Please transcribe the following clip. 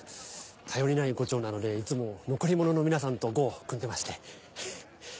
頼りない伍長なのでいつも残り物の皆さんと伍を組んでまして。